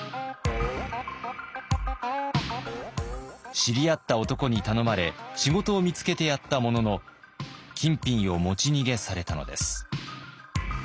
知り合った男に頼まれ仕事を見つけてやったものの金品を持ち逃げされたのです。